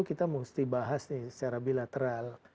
kita mesti bahas nih secara bilateral